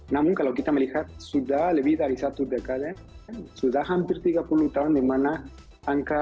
namun kalau kita melihat sudah lebih dari satu dekade sudah hampir tiga puluh tahun dimana angka